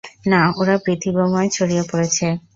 নাঃ, ওরা পৃথিবীময় ছড়িয়ে পড়েছে।